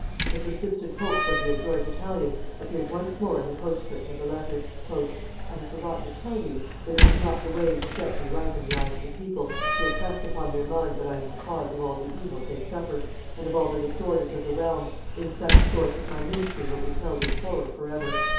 The persistent hopes of the adroit Italian appeared once more in the postscript of the letter: "I had forgotten to tell you that it was not the way to set me right in the eyes of the people to impress upon their mind that I am the cause of all the evils they suffer, and of all the disorders of the realm, in such sort that my ministry will be held in horror forever."